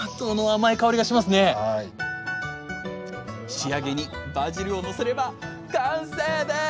仕上げにバジルをのせれば完成です！